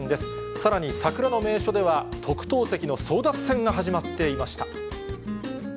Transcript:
さらに桜の名所では特等席の争奪戦が始まっていました。